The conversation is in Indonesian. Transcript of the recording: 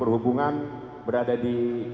dan kepala basarnas berada di kantor pusat